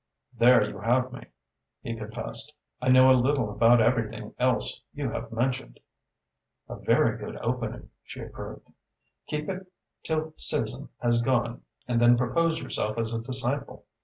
"There you have me," he confessed. "I know a little about everything else you have mentioned." "A very good opening." she approved. "Keep it till Susan has gone and then propose yourself as a disciple.